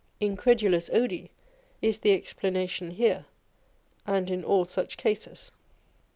Incredulas odi is the explanation here, and in all such cases.